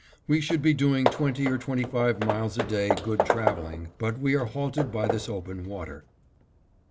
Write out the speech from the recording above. We should be doing twenty or twenty five miles a day good traveling, but we are halted by this open water.